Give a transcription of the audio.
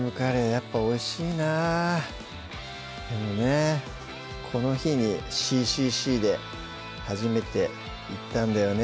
やっぱおいしいなでもねこの日にＣＣＣで初めて言ったんだよね